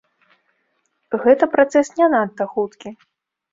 Гэта працэс не надта хуткі.